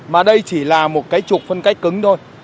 mà đây chỉ là một cái trục phân cách cứng thôi